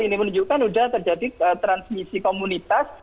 ini menunjukkan sudah terjadi transmisi komunitas